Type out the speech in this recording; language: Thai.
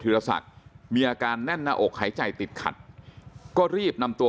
รศักดิ์มีอาการแน่นหน้าอกหายใจติดขัดก็รีบนำตัว